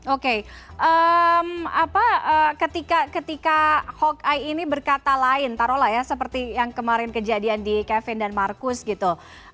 oke ketika hawkey ini berkata lain taruhlah ya seperti yang kemarin kejadian di kevin dan marcus gitu